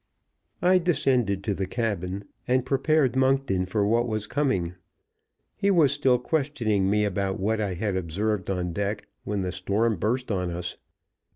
I descended to the cabin, and prepared Monkton for what was coming. He was still questioning me about what I had observed on deck when the storm burst on us.